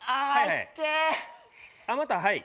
またはい。